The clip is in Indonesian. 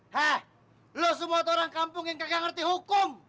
hah lo semua orang kampung yang kagak ngerti hukum